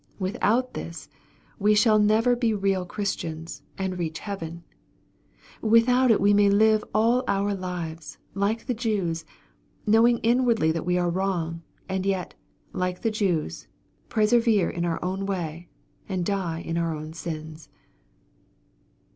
Without this, we shall never be real Christians, and reach hea ven. Without it we may live all our lives, like the Jews, knowing inwardly that we are wrong, and yet, like the J ews, persevere in our own way, and die in our sins.